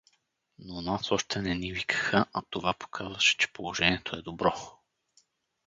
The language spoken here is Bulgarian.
Но нас още не ни викаха, а това показваше, че положението е добро.